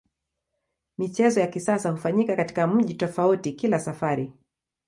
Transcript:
Michezo ya kisasa hufanyika katika mji tofauti kila safari.